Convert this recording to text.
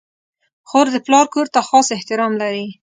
خور د پلار کور ته خاص احترام لري.